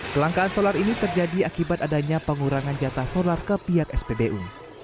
kelangkaan solar ini terjadi akibat adanya pengurangan jatah solar ke pihak spbu